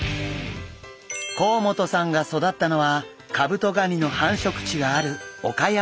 甲本さんが育ったのはカブトガニの繁殖地がある岡山県。